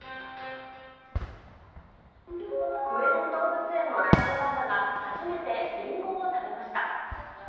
上野動物園の双子パンダが、初めてリンゴを食べました。